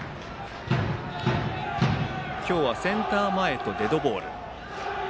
今日はセンター前とデッドボール。